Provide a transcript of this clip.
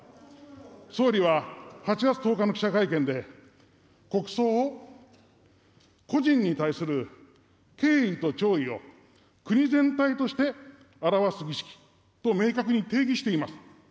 総理は８月１０日の記者会見で、国葬を故人に対する敬意と弔意を国全体として表す儀式と明確に定義しています。